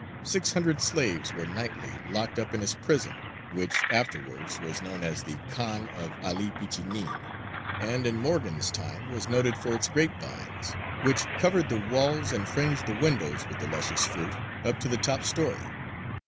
Six hundred slaves were nightly locked up in his prison, which afterwards was known as the Khan of 'Ali Pichinin, and in Morgan's time was noted for its grape vines, which covered the walls and fringed the windows with the luscious fruit up to the top storey.